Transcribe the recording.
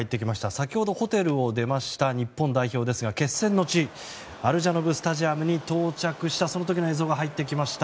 先ほどホテルを出ました日本代表ですが、決戦の地アルジャノブ・スタジアムに到着しました。